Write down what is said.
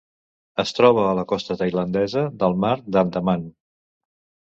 Es troba a la costa tailandesa del Mar d'Andaman.